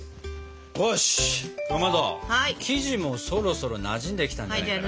よしかまど生地もそろそろなじんできたんじゃないかな。